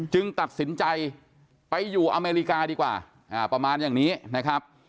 ตัดสินใจไปอยู่อเมริกาดีกว่าประมาณอย่างนี้นะครับ